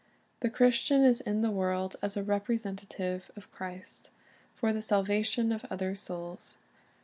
The Christian is in the world as a representative of Christ, for the salvation of other souls.